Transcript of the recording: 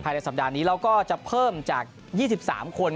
ในสัปดาห์นี้เราก็จะเพิ่มจาก๒๓คน